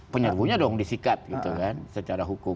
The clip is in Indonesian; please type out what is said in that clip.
penyerbunya dong disikat gitu kan secara hukum